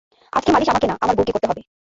আজকে মালিশ আমাকে না, আমার বউকে করতে হবে।